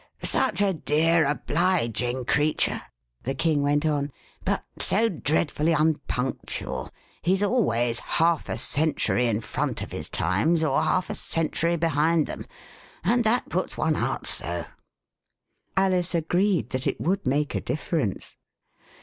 Such a dear, obliging creature," the King went on, but so dreadfully unpunctual. He's always half a century in front of his times or half a century behind them, and that puts one out so." Alice agreed that it would make a difference.